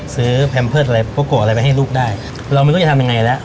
ซื้ออะไรปลูกกลัวอะไรไปให้ลูกได้เราไม่รู้จะทำยังไงแล้วค่ะ